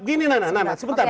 gini nana nana sebentar